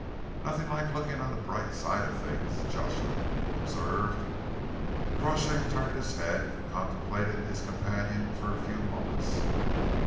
"Nothing like looking on the bright side of things," Jocelyn observed. Crawshay turned his head and contemplated his companion for a few moments.